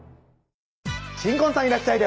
新婚さんいらっしゃい！